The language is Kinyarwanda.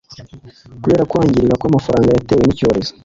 kubera kwangirika kwamafaranga yatewe nicyorezo